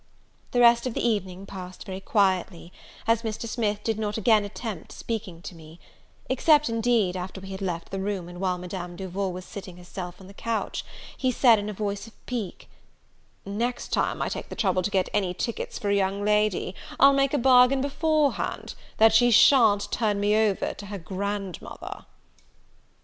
The rest of the evening passed very quietly, as Mr. Smith did not again attempt speaking to me; except, indeed, after we had left the room and while Madam Duval was seating herself in the coach, he said, in a voice of pique, "Next time I take the trouble to get any tickets for a young lady, I'll make a bargain before hand, that she shan't turn me over to her grandmother."